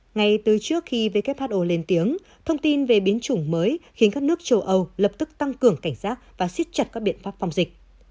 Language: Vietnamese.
ngay từ trước khi who lên tiếng thông tin về biến chủng mới khiến các nước châu âu lập tức tăng cường cảnh giác và xích chặt các biện pháp phòng dịch